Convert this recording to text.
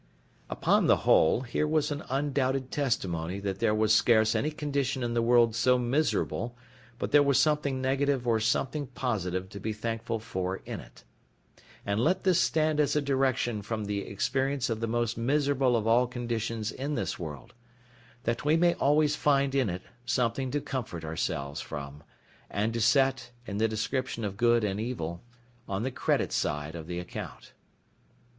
Upon the whole, here was an undoubted testimony that there was scarce any condition in the world so miserable but there was something negative or something positive to be thankful for in it; and let this stand as a direction from the experience of the most miserable of all conditions in this world: that we may always find in it something to comfort ourselves from, and to set, in the description of good and evil, on the credit side of the account.